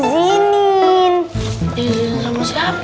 dizinin sama siapa